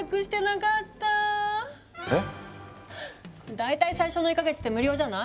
大体最初の１か月って無料じゃない？